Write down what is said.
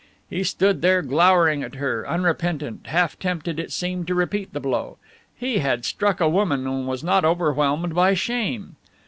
He stood there glowering at her, unrepentant, half tempted, it seemed, to repeat the blow. He had struck a woman and was not overwhelmed by shame.